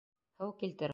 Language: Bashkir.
Һыу килтер!